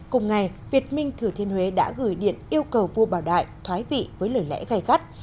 cùng ngày việt minh thừa thiên huế đã gửi điện yêu cầu vua bảo đại thoái vị với lời lẽ gai gắt